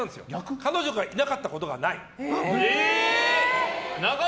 彼女がいなかったことがない。